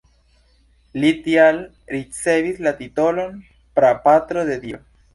Li tial ricevis la titolon "prapatro de dio".